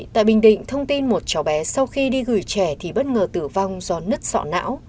tại bình định thông tin một cháu bé sau khi đi gửi trẻ thì bất ngờ tử vong do nứt sọ não